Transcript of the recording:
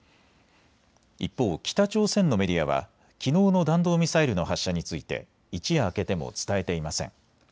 一方、北朝鮮北朝鮮のメディアはきのうの弾道ミサイルの発射について一夜明けても伝えていません。